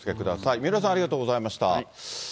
三浦さん、ありがとうございました。